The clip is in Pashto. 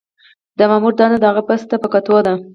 د مامور دنده د هغه بست ته په کتو ده.